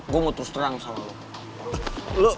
gue mau terus terang sama lo